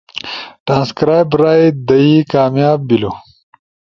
ٹرانسکرائب رائے دہی کامیاب بیلو